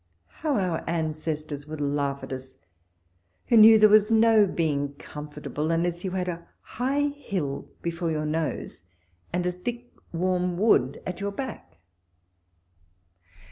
How our ancestors would laugh at lis, who knew there was no being comfortable, imless you had a high hill before your nose, and a thick warm wood at your back